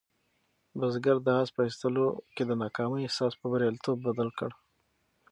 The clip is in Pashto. بزګر د آس په ایستلو کې د ناکامۍ احساس په بریالیتوب بدل کړ.